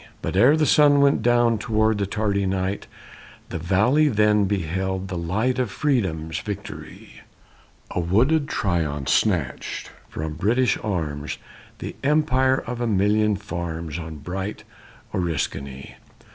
But ere the sun went toward the tardy night, The valley then beheld the light Of freedom's victory; And wooded Tryon snatched from British arms The empire of a million farms On bright Oriskany.